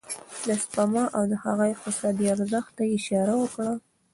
د سپما او د هغه اقتصادي ارزښت ته يې اشاره وکړه.